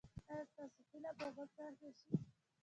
ایا ستاسو هیله به غوڅه نشي؟